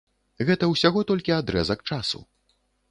Гэта ўсяго толькі адрэзак часу.